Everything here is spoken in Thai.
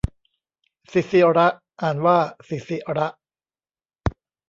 ศิศิร อ่านว่า สิสิระ